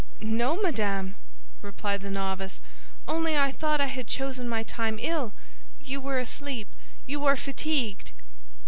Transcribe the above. "No, madame," replied the novice, "only I thought I had chosen my time ill; you were asleep, you are fatigued."